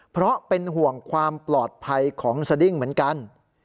เพราะเป็นห่วงความปลอดภัยของสดิ้งเหมือนกัน